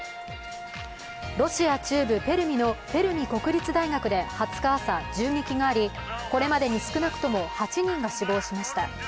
ロシア中部ペルミのペルミ国立大学で２０日朝銃撃があり、これまでに少なくとも８人が死亡しました。